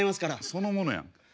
そのものやん。